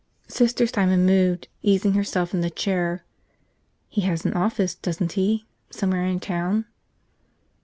Sister Simon moved, easing herself in the chair. "He has an office, doesn't he, somewhere in town?"